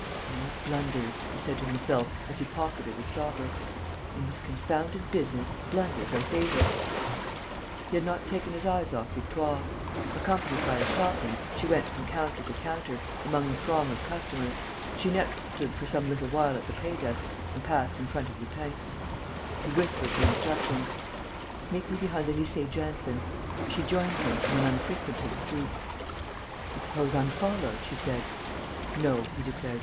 "No blunders!" he said to himself, as he pocketed the stopper. "In this confounded business, blunders are fatal." He had not taken his eyes off Victoire. Accompanied by a shopman, she went from counter to counter, among the throng of customers. She next stood for some little while at the pay desk and passed in front of Lupin. He whispered her instructions: "Meet me behind the Lycée Janson." She joined him in an unfrequented street: "And suppose I'm followed?" she said. "No," he declared.